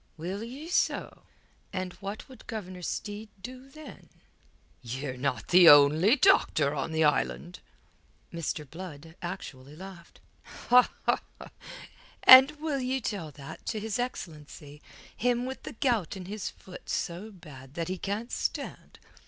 "Will ye so? And what would Governor Steed do, then?" "Ye're not the only doctor on the island." Mr. Blood actually laughed. "And will ye tell that to his excellency, him with the gout in his foot so bad that he can't stand?